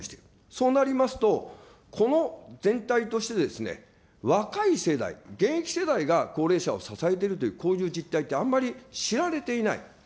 そうなりますと、この全体としてですね、若い世代、現役世代が高齢者を支えてるという、こういう実態って、あんまり知られていない。